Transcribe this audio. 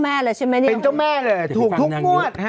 เป็นเจ้าแม่เลยถูกทุกมวด